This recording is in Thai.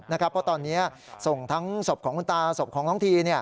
เพราะตอนนี้ส่งทั้งศพของคุณตาศพของน้องที